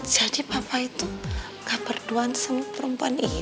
jadi papa itu nggak berduaan sama perempuan itu